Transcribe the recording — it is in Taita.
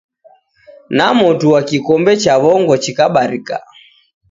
Namotua kikombe cha w'ongo chikabarika.